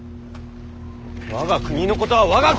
我が国のことは我が国！